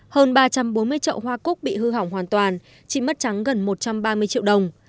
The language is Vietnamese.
hơn ba trăm bốn mươi trậu hoa cúc bị hư hỏng hoàn toàn chị mất trắng gần một trăm ba mươi triệu đồng